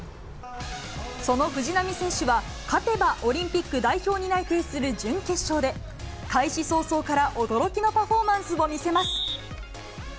その藤波選手は、勝てばオリンピック代表に内定する準決勝で、開始早々から驚きのパフォーマンスを見せます。